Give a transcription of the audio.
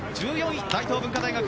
１４位、大東文化大学。